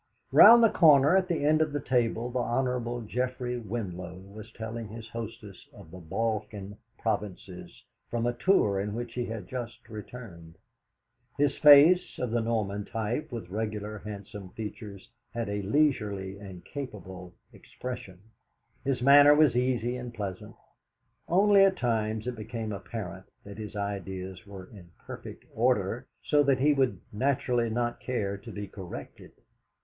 Round the corner at the end of the table the Hon. Geoffrey Winlow was telling his hostess of the Balkan Provinces, from a tour in which he had just returned. His face, of the Norman type, with regular, handsome features, had a leisurely and capable expression. His manner was easy and pleasant; only at times it became apparent that his ideas were in perfect order, so that he would naturally not care to be corrected.